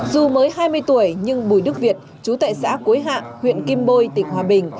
dù mới hai mươi tuổi nhưng bùi đức việt chú tại xã cối hạ huyện kim bôi tỉnh hòa bình